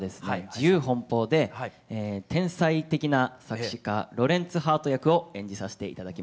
自由奔放で天才的な作詞家ロレンツ・ハート役を演じさせて頂きます。